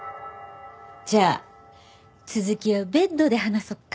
じゃあ続きはベッドで話そっか。